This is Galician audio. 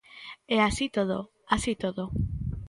E así todo, así todo.